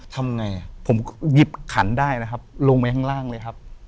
ทำไงผมก็หยิบขันได้นะครับลงไปข้างล่างเลยครับ